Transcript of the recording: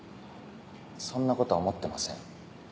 そんなことは思ってません。